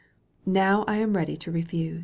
Now I am ready to refuse.